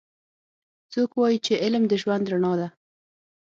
څوک وایي چې علم د ژوند رڼا ده